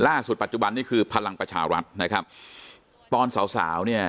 ปัจจุบันนี้คือพลังประชารัฐนะครับตอนสาวสาวเนี่ย